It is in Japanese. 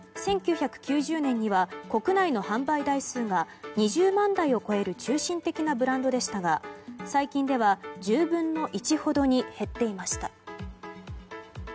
１９９０年には国内の販売数が２０万台を超える中心的なブランドでしたが最近では１０分の１ほどに減っていました。